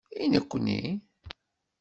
I nekkni?